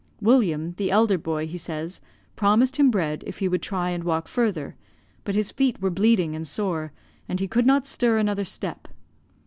William, the elder boy, he says, promised him bread if he would try and walk further; but his feet were bleeding and sore, and he could not stir another step.